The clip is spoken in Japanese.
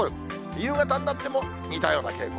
夕方になっても、似たような傾向。